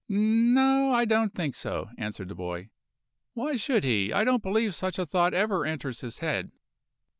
"N o, I don't think so," answered the boy. "Why should he. I don't believe such a thought ever enters his head."